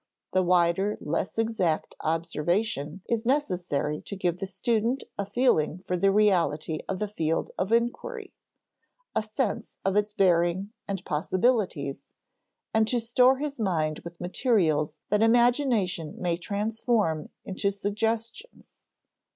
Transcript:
The wider, less exact observation is necessary to give the student a feeling for the reality of the field of inquiry, a sense of its bearings and possibilities, and to store his mind with materials that imagination may transform into suggestions.